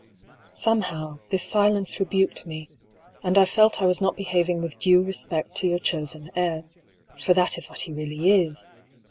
Somehow, this silence rebuked me, and I felt I was not behaving with due respect to your chosen heir, for that is what he really is.